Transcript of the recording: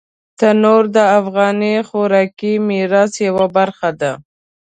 تنور د افغاني خوراکي میراث یوه برخه ده